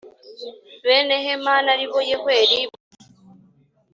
bene Hemani ari bo Yehweli baje